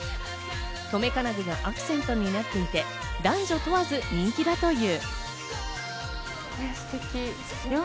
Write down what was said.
とめ金具がアクセントになっていて、男女問わず人気だという。